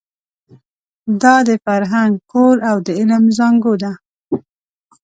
دا د فرهنګ کور او د علم زانګو ده.